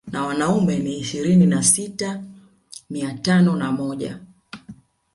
Na wanaume ni ishirini na sita mia tano na moja